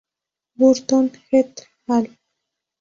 Burton et al.